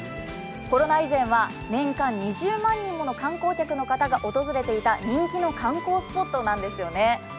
コロナ以前は年間２０万人もの観光客の方が訪れていた人気の観光スポットなんですよね。